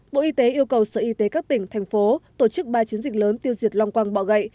bộ y tế yêu cầu sở y tế các tỉnh thành phố tổ chức ba chiến dịch lớn tiêu diệt long quăng bọ gậy